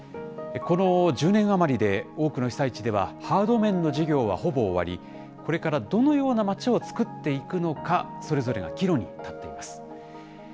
この１０年余りで、多くの被災地では、ハード面の事業はほぼ終わり、これからどのような町をつくっていくのか、それぞれが岐路に立っています。